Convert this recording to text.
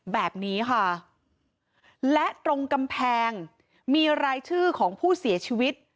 แบบนี้ค่ะและตรงกำแพงมีรายชื่อของผู้เสียชีวิต